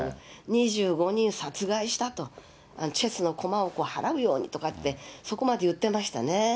２５人殺害したと、チェスの駒を払うようにとかって、そこまで言ってましたね。